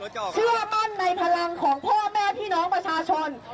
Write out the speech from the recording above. เชื่อมั่นในพลังของพ่อแม่พี่น้องประชาชน